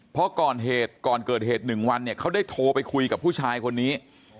เพราะก่อนเกิดเหตุ๑วันเนี่ยเขาได้โทรไปคุยกับผู้ชายคนนี้